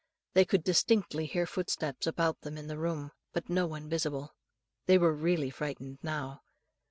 They could distinctly hear footsteps about them in the room, but no one visible. They were really frightened now.